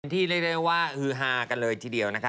เรียกได้ว่าฮือฮากันเลยทีเดียวนะคะ